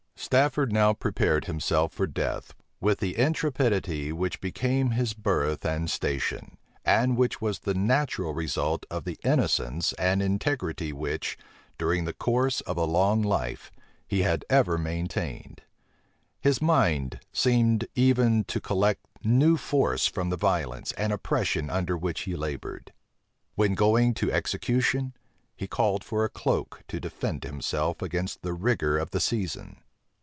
Stafford now prepared himself for death with the intrepidity which became his birth and station, and which was the natural result of the innocence and integrity which, during the course of a long life, he had ever maintained: his mind seemed even to collect new force from the violence and oppression under which he labored. When going to execution, he called for a cloak to defend him against the rigor of the season.